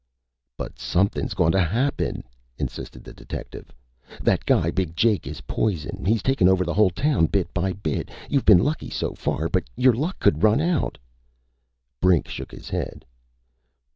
"But somethin's goin' to happen!" insisted the detective. "That guy Big Jake is poison! He's takin' over the whole town, bit by bit! You've been lucky so far, but your luck could run out " Brink shook his head.